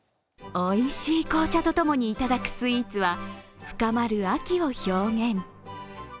おいしい紅茶と共にいただくスイーツは深まる秋を表現。